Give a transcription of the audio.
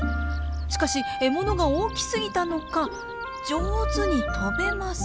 しかし獲物が大きすぎたのか上手に飛べません。